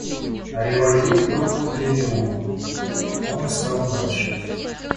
Револьвер был подле него, — он искал дальше.